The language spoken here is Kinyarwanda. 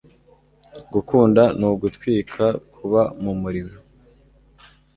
Gukunda ni ugutwika kuba mu muriro